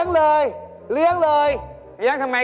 โปรดติดตามตอนต่อไป